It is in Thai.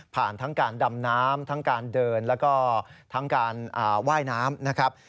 ทั้งการดำน้ำทั้งการเดินแล้วก็ทั้งการว่ายน้ำนะครับ